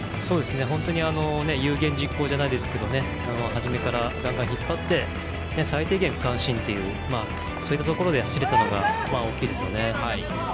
本当に有言実行じゃないですけど初めからガンガン引っ張って最低限、区間新というそういったところで走れたのが大きいですよね。